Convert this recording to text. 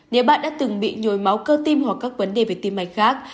nếu bạn đã từng bị nhồi máu cơ tim hoặc các vấn đề về tim mạch khác